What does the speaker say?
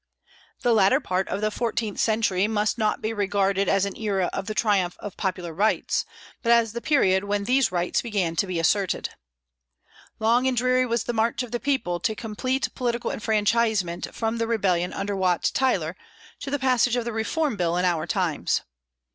The latter part of the fourteenth century must not be regarded as an era of the triumph of popular rights, but as the period when these rights began to be asserted. Long and dreary was the march of the people to complete political enfranchisement from the rebellion under Wat Tyler to the passage of the Reform Bill in our times.